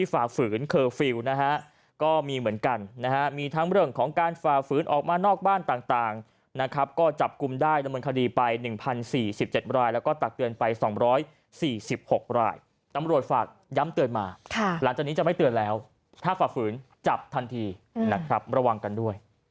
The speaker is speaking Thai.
ฝากย้ำเตือนมาค่ะหลังจากนี้จะไม่เตือนแล้ว